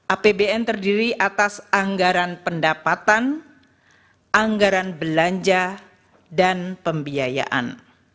apbn terdiri atas anggaran pendapatan anggaran belanja dan pembiayaan